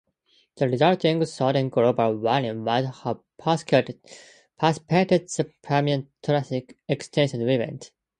The resulting sudden global warming might have precipitated the Permian-Triassic extinction event.